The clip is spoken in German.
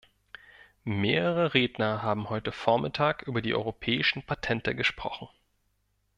Mehrere Redner haben heute vormittag über die europäischen Patente gesprochen.